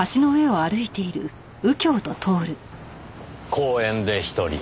公園で１人。